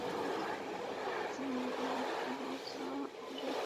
তুমি আমাদের মিথ্যা বলেছ, আমাদের ঠকিয়েছো।